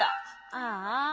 ああ。